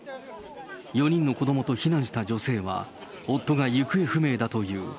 ４人の子どもと避難した女性は、夫が行方不明だという。